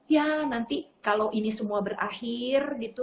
ya nanti kalau ini semua berakhir gitu